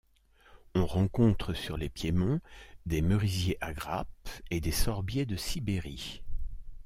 On rencontre sur les piémonts des merisiers à grappes et des sorbiers de Sibérie.